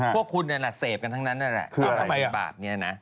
พวกคุณเสพกันทั้งนั้น